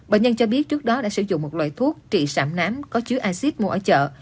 bệnh nhân cho biết trước đó đã sử dụng một loại thuốc trị sảm nám có chứa acid mua ở chợ